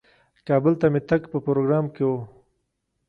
کابل ته مې تګ په پروګرام کې و.